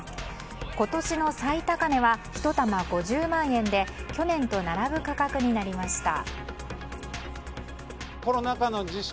今年の最高値は１玉５０万円で去年と並ぶ価格になりました。